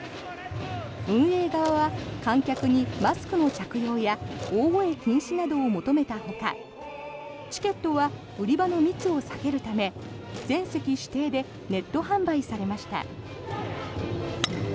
運営側は観客にマスクの着用や大声禁止などを求めたほかチケットは売り場の密を避けるため全席指定でネット販売されました。